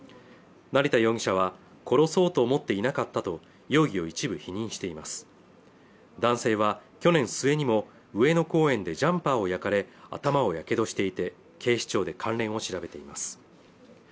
成田容疑者は殺そうと思っていなかったと容疑を一部否認しています男性は去年末にも上野公園でジャンパーを焼かれ頭を火傷していて警視庁で関連を調べています